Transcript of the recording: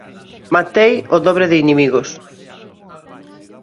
Matei o dobre de inimigos.